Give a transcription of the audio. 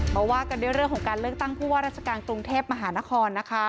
ว่ากันด้วยเรื่องของการเลือกตั้งผู้ว่าราชการกรุงเทพมหานครนะคะ